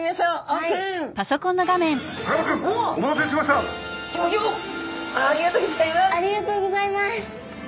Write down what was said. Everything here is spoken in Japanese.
ありがとうございます！